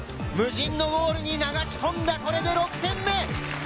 無人のゴールに流し込んだ、これで６点目。